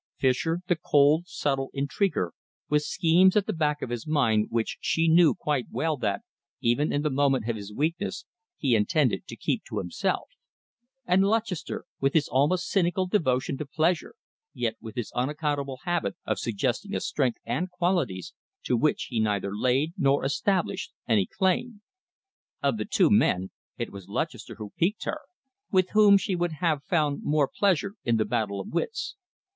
... Fischer, the cold, subtle intriguer, with schemes at the back of his mind which she knew quite well that, even in the moment of his weakness, he intended to keep to himself; and Lutchester, with his almost cynical devotion to pleasure, yet with his unaccountable habit of suggesting a strength and qualities to which he neither laid nor established any claim. Of the two men it was Lutchester who piqued her, with whom she would have found more pleasure in the battle of wits.